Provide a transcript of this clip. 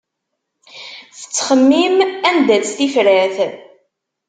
Tettxemmim anda-tt tifrat.